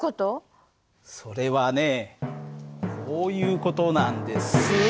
それはねこういう事なんです。